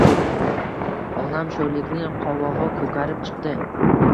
Onam sho‘rlikning qovog‘i ko‘karib chiqdi.